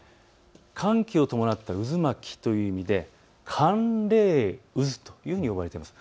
寒気を伴った渦巻きという意味で寒冷渦というふうに呼ばれています。